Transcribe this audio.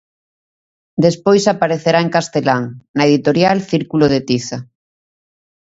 Despois aparecerá en castelán, na editorial Círculo de Tiza.